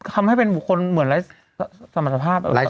ทำให้เป็นบุคคลเหมือนไร้สมรรถภาพ